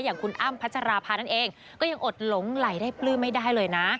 อย่างคุณอ้ำพัชราภานั่นเองก็ยังอดหลงไหลได้ปลื้มไม่ได้เลยนะ